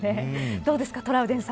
どうですか、トラウデンさん。